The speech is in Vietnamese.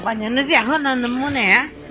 bà nhớ nó rẻ hơn là nó mua nẻ